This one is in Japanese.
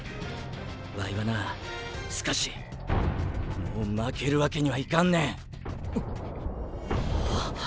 ワイはなスカシもう負けるわけにはいかんねん！！